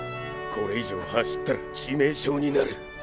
これ以上走ったら致命傷になる。